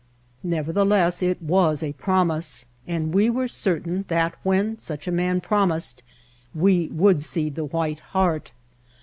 Nevertheless it was a promise, and we were certain that when such a man promised we would see the White Heart.